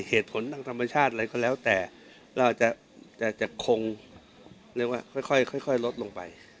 เหตุผลทางธรรมชาติอะไรก็แล้วแต่เราจะคงเรียกว่าค่อยลดลงไป